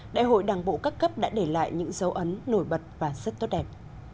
đại hội đảng bộ các cấp đã để lại những dấu ấn nổi bật và rất tốt đẹp